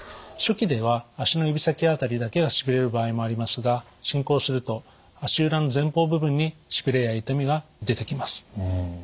初期では足の指先辺りだけがしびれる場合もありますが進行すると足裏の前方部分にしびれや痛みが出てきます。